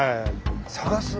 探す？